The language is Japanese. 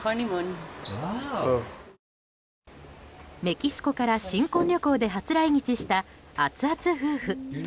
メキシコから新婚旅行で初来日したアツアツ夫婦。